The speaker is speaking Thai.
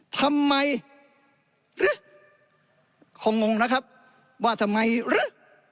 ทำไมหรือคงงนะครับว่าทำไมหรือ